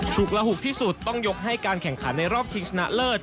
ฉุกระหุกที่สุดต้องยกให้การแข่งขันในรอบชิงชนะเลิศ